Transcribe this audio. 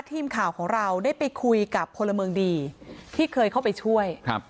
ทีมข่าวของเราได้ไปคุยกับพลเมืองดีที่เคยเข้าไปช่วยครับ